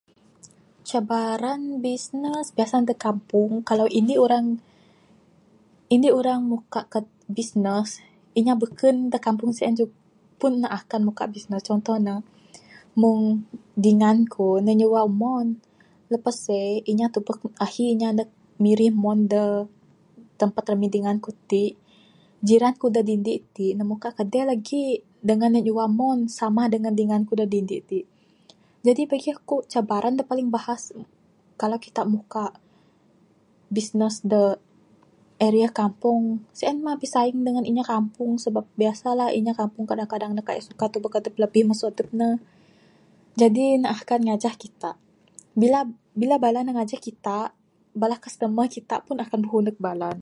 Cabaran bisnes biasa ne da kampung kalau indi urang Indi urang muka kad bisnes inya da kampung sien pun akan muka bisnes contoh ne meng dingan ku ne nyua umon, lepas seh ne tubek ahi inya mirih umon de tempat ramin dingan ku ti, jiran ku da dini ti ne muka kade lagih, dangan ne nyua umo samah dangan dingan ku da dini ti jadi pikir aku cabaran bahas kalau kita muka bisnes da area kampung sien mah bisaing dangan inya kampung sebab biasa lah inya kampung kadang kadang kaik suka tubek adep labih masu adep ne Jadi ne akan ngajah kita bila bila bala ne ngajah kita bala customer kita pun akan buhu neg bala ne.